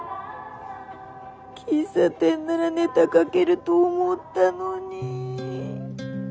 喫茶店ならネタ書けると思ったのに。